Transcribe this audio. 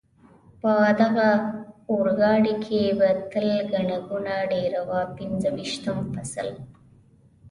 په دغه اورګاډي کې به تل ګڼه ګوڼه ډېره وه، پنځه ویشتم فصل.